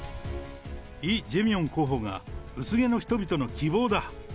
イ・ジェミョン候補が薄毛の人々の希望だ。